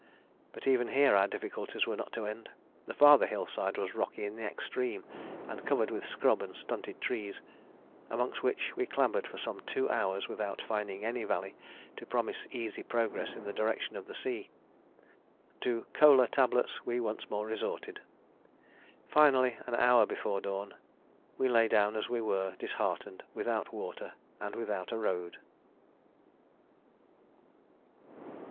But even here our difficulties were not to end: the farther hillside was rocky in the extreme and covered with scrub and stunted trees, amongst which we clambered for some two hours without finding any valley to promise easy progress in the direction of the sea. To "Kola" tablets we once more resorted. Finally, an hour before dawn, we lay down as we were, disheartened, without water, and without a road.